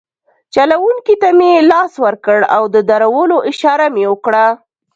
چلونکي ته مې لاس ورکړ او د درولو اشاره مې وکړه.